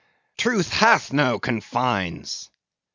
Truth hath no confines.